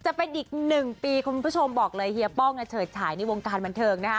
จะเป็นอีกหนึ่งปีคุณผู้ชมบอกเลยเฮียป้องเฉิดฉายในวงการบันเทิงนะฮะ